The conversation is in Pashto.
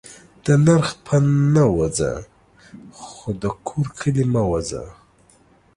دا نرخ په نه. ووځه خو دا کور کلي مه ووځه